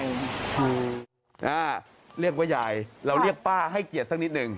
เรียกว่ายายเราเรียกป้าให้เกียรติสักนิดหนึ่ง